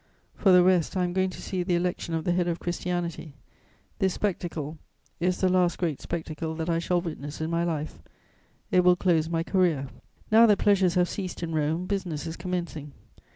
For the rest, I am going to see the election of the Head of Christianity; this spectacle is the last great spectacle that I shall witness in my life; it will close my career. "Now that pleasures have ceased in Rome, business is commencing.